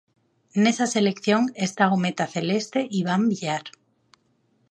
Nesa selección está o meta celeste Iván Villar.